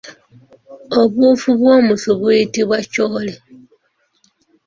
Obuufu bw’omusu buyitibwa kyole.